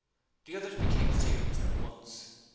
The others became serious at once.